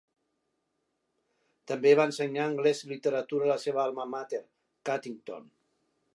També va ensenyar anglès i literatura a la seva alma mater, Cuttington.